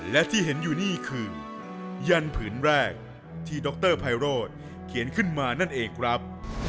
และที่เห็นอยู่นี่คือยันผืนแรกที่ดรไพโรธเขียนขึ้นมานั่นเองครับ